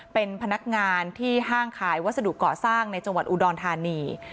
เป็นพนักงานที่ห้างขายวัสดุเกาะสร้างในจังหวัดอุดรธานี